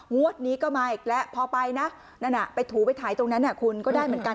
งวดนี้ก็มาอีกแล้วพอไปนะนั่นไปถูไปถ่ายตรงนั้นคุณก็ได้เหมือนกัน